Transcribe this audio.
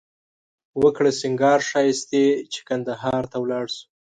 وکړه سینگار ښایښتې چې قندهار ته ولاړ شو